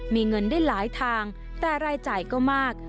มีเงินได้หลายทางแต่รายจ่ายก็มาก